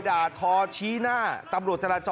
สวัสดีครับคุณผู้ชาย